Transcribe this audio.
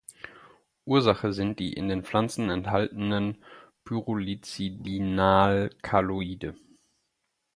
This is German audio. Ursache sind die in den Pflanzen enthaltenen Pyrrolizidinalkaloide.